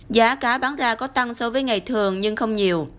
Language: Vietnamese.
giá cá bán ra có tăng so với ngày thường nhưng không nhiều